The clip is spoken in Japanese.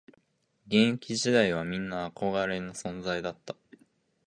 現役時代はみんな憧れの存在だった